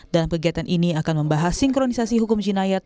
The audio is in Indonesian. dalam kegiatan ini akan membahas sinkronisasi hukum jinayat